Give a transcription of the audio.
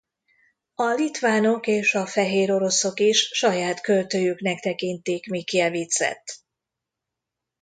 A litvánok és a fehéroroszok is saját költőjüknek tekintik Mickiewiczet.